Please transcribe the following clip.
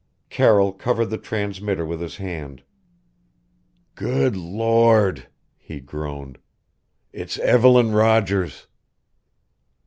Carroll covered the transmitter with his hand "Good Lord!" he groaned, "it's Evelyn Rogers!"